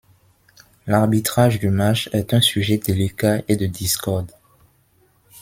L'arbitrage du match est un sujet délicat et de discorde.